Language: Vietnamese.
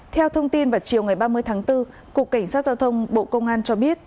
theo thông tin vào chiều ngày ba mươi tháng bốn cục cảnh sát giao thông bộ công an cho biết